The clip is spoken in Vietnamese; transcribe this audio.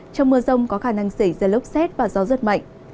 trong mưa rông có khả năng xảy ra lốc xét và gió rất mạnh